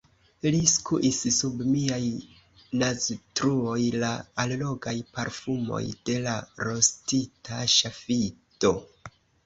Li skuis sub miaj naztruoj la allogaj parfumoj de la rostita ŝafido.